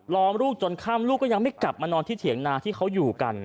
อมลูกจนค่ำลูกก็ยังไม่กลับมานอนที่เถียงนาที่เขาอยู่กัน